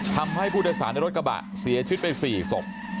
ทำให้ผู้โดยสารในรถกระบะเสียชีวิตไป๔ศพ